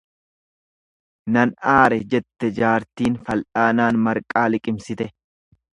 Nan aare jettee jaartiin fal'aanaan marqaa liqimsite.